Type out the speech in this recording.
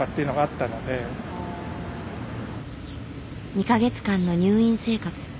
２か月間の入院生活。